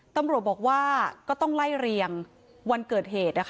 ตำรวจบอกว่าก็ต้องไล่เรียงวันเกิดเหตุ